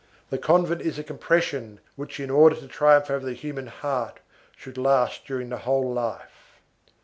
The convent is a compression which, in order to triumph over the human heart, should last during the whole life.